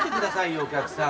お客さん。